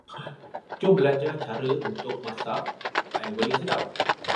Jom berlajar cara nak masak ayam goreng yang sedap.